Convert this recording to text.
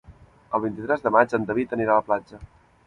El vint-i-tres de maig en David anirà a la platja.